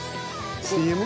ＣＭ？